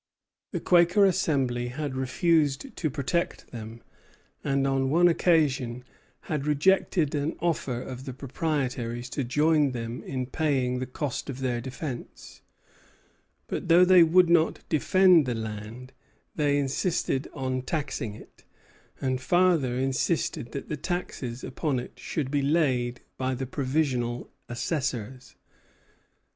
The Quaker Assembly had refused to protect them; and on one occasion had rejected an offer of the proprietaries to join them in paying the cost of their defence. But though they would not defend the land, they insisted on taxing it; and farther insisted that the taxes upon it should be laid by the provincial assessors.